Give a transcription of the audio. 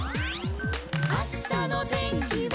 「あしたのてんきは」